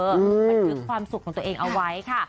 คือความสุขของตัวเองเอาไว้ค่ะ